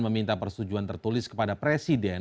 meminta persetujuan tertulis kepada presiden